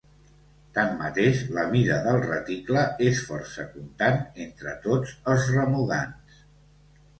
Tanmateix la mida del reticle és força contant entre tots els remugants.